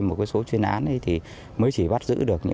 một số chuyên án mới chỉ bắt giữ được